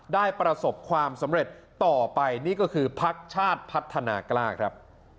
ได้ประสบความสำเร็จต่อไปนี่ก็คือพักชาติพัฒนากล้าครับ